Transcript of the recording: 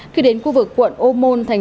khi đến khu vực quận ô môn tp cn